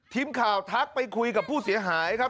ทิ้งข่าวทักไปคุยกับผู้เสียหายครับ